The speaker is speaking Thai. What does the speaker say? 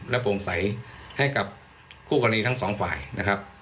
โปร่งใสให้กับคู่กรณีทั้งสองฝ่ายนะครับ